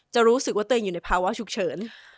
รู้สึกว่าตัวเองอยู่ในภาวะฉุกเฉิน